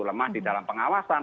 lemah di dalam pengawasan